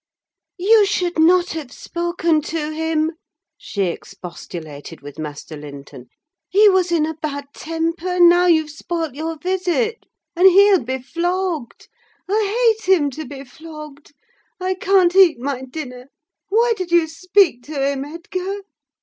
"You should not have spoken to him!" she expostulated with Master Linton. "He was in a bad temper, and now you've spoilt your visit; and he'll be flogged: I hate him to be flogged! I can't eat my dinner. Why did you speak to him, Edgar?"